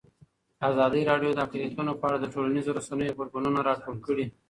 ازادي راډیو د اقلیتونه په اړه د ټولنیزو رسنیو غبرګونونه راټول کړي.